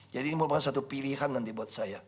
jadi ini merupakan satu pilihan nanti buat saya